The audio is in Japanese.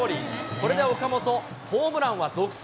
これで岡本、ホームランは独走。